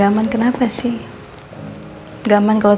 mama sama papa liburan dulu ya